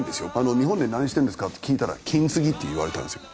「日本で何してるんですか？」って聞いたら「金継ぎ」って言われたんですよ。